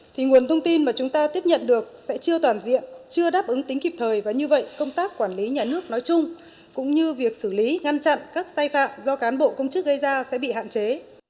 thì nguồn thông tin mà chúng ta tiếp nhận được sẽ chưa toàn diện chưa đáp ứng tính kịp thời và như vậy công tác quản lý nhà nước nói chung cũng như việc xử lý ngăn chặn các sai phạm do cán bộ công chức gây ra sẽ bị hạn chế